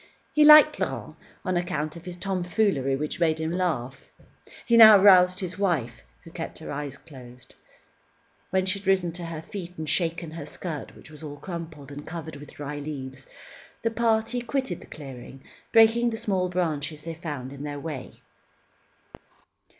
He liked Laurent on account of his tomfoolery, which made him laugh. He now roused his wife, who kept her eyes closed. When she had risen to her feet, and shaken her skirt, which was all crumpled, and covered with dry leaves, the party quitted the clearing, breaking the small branches they found in their way.